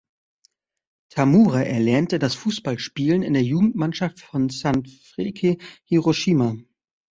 Tamura erlernte das Fußballspielen in der Jugendmannschaft von Sanfrecce Hiroshima.